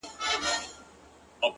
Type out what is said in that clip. • ټوله نــــړۍ راپسي مه ږغوه ـ